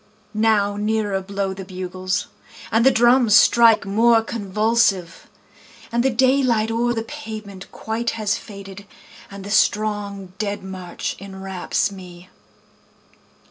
Now nearer blow the bugles, And the drums strike more convulsive, And the daylight oâer the pavement quite has faded, And the strong dead march enwraps me.